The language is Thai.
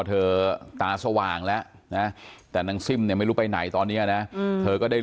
เธอตาสว่างแล้วนะแต่นางซิ่มเนี่ยไม่รู้ไปไหนตอนนี้นะเธอก็ได้